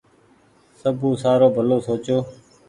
سبو سآرو ڀلو سوچو۔